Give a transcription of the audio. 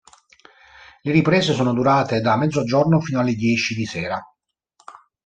Le riprese sono durate da mezzogiorno fino alle dieci di sera.